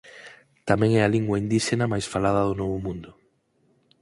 Tamén é a lingua indíxena máis falada do Novo Mundo.